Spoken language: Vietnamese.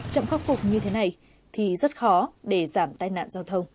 chậm khắc phục như thế này thì rất khó để giảm tai nạn giao thông